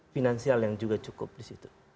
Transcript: finansial yang juga cukup disitu